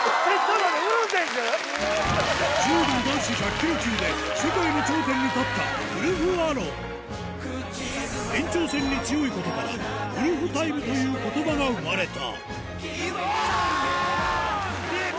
柔道男子１００ｋｇ級で世界の頂点に立ったウルフアロン延長戦に強いことから「ウルフタイム」という言葉が生まれたきた！